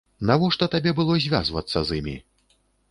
Навошта табе было звязвацца з імі?